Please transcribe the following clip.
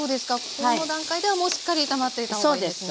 この段階ではもうしっかり炒まっていた方がいいんですね。